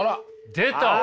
出た！